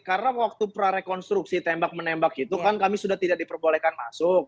karena waktu prerekonstruksi tembak menembak itu kan kami sudah tidak diperbolehkan masuk